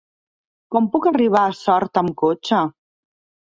Com puc arribar a Sort amb cotxe?